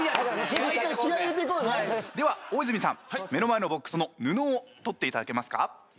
では大泉さん目の前のボックスの布を取っていただけますか？